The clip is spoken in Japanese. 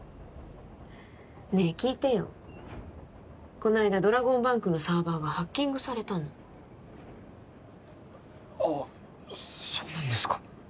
この間ドラゴンバンクのサーバーがハッキングされたのあそうなんですか？